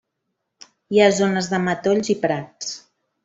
Hi ha zones de matolls i prats.